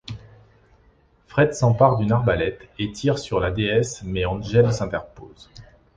Fred s'empare d'une arbalète et tire sur la déesse mais Angel s'interpose.